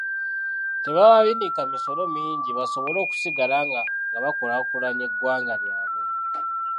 Tebababinika misolo mingi, basobole okusigala nga bakulaakulanya eggwanga lyabwe.